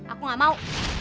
aku gak mau